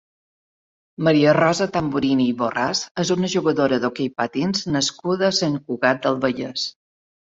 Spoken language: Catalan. Maria Rosa Tamburini i Borràs és una jugadora d'hoquei patins nascuda a Sant Cugat del Vallès.